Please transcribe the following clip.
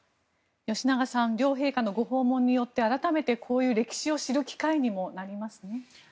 吉永さん両陛下のご訪問によって改めて、こういう歴史を知る機会にもなりますね。